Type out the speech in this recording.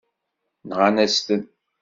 Nɣan-as-ten.